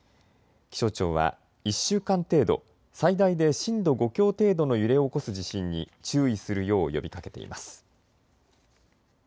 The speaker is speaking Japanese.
気象庁は１週間程度、最大で震度５強程度の揺れを起こす地震に注意するよう呼びかけています。